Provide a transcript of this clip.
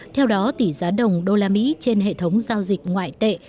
theo đó tỷ giá đồng đô la mỹ trên hệ thống giao dịch ngoại tệ